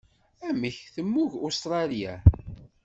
Amek temmug Usetṛalya?